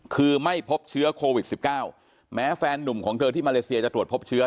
คือไม่พบเชื้อโควิด๑๙แม้แฟนนุ่มของเธอที่มาเลเซียจะตรวจพบเชื้อ